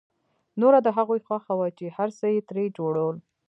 نوره د هغوی خوښه وه چې هر څه يې ترې جوړول.